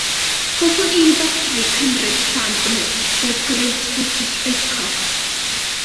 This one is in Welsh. Hoffwn i fedru cymryd rhan yn The Great British Bake Off.